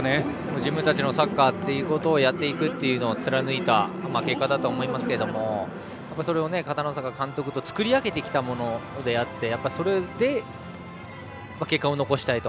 自分たちのサッカーをやっていくというのを貫いた結果だと思いますがそれは片野坂監督と作り上げてきたものであってそれで結果を残したいと。